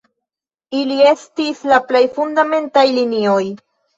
Ili estis la plej fundamentaj linioj.